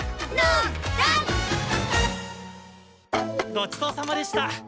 ごちそうさまでした。